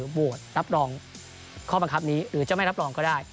โหวตรับรองข้อบังคับนี้หรือจะไม่รับรองก็ได้